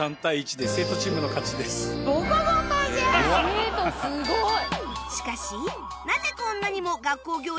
生徒すごい！